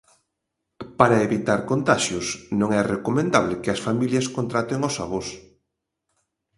Para evitar contaxios non é recomendable que as familias contraten os avós.